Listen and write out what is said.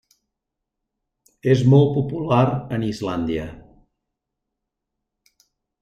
És molt popular en Islàndia.